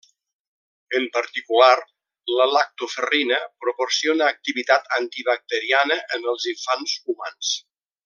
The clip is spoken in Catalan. En particular, la lactoferrina proporciona activitat antibacteriana en els infants humans.